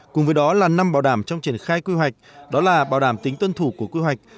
cùng với đó là năm bảo đảm trong triển khai quy hoạch đó là bảo đảm tính tuân thủ của quy hoạch